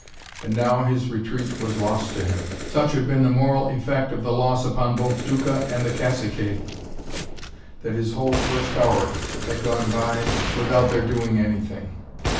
And now his retreat was lost to him! Such had been the moral effect of the loss upon both Duca and caciques, that his whole first hour had gone by without their doing anything.